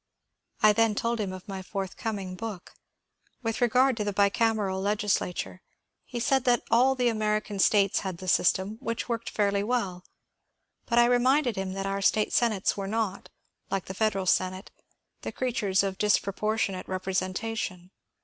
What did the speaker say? I then told him of my forthcoming book. With regard to the bicameral legislature, he said that all the American States had the system, which worked fairly well, but I reminded him that our state senates were not, like the federal Senate, the creatures of disproportionate representation.